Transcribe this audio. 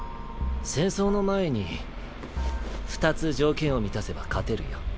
戦争の前に２つ条件を満たせば勝てるよ。